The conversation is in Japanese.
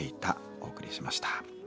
お送りしました。